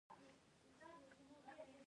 په دې سره ګورو چې ګټه څه ده